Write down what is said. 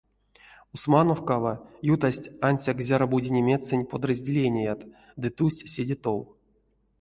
Усмановкава ютасть ансяк зяро-бути немецень подразделеният ды тусть седе тов.